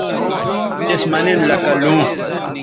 تِس مہ نن لکہ لوں